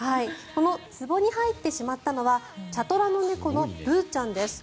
つぼに入ってしまったのは茶トラの猫のブーちゃんです。